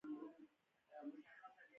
د دویم اصل لازمه یوه مهمه خبره ده.